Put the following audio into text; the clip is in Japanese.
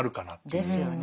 ですよね。